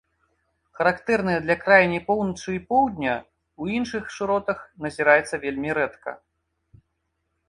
Характэрнае для крайняй поўначы і поўдня, у іншых шыротах назіраецца вельмі рэдка.